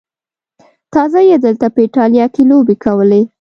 تازه یې دلته په ایټالیا کې لوبې کولې.